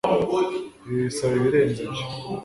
ibi bisaba ibirenze ibyo